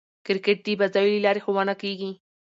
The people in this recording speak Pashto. کرکټ د بازيو له لاري ښوونه کوي.